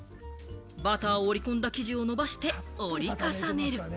バターを折り込んだ生地をのばして折り重ねる。